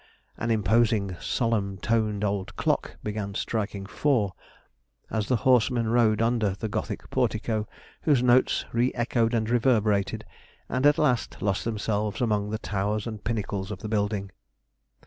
An imposing, solemn toned old clock began striking four, as the horsemen rode under the Gothic portico, whose notes re echoed and reverberated, and at last lost themselves among the towers and pinnacles of the building.